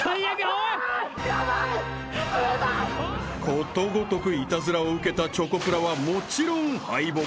［ことごとくイタズラを受けたチョコプラはもちろん敗北］